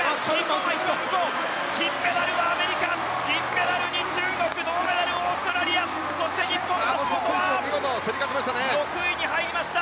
金メダルはアメリカ銀メダル中国銅メダルオーストラリアそして日本は６位に入りました。